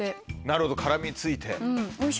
なるほど絡み付いて。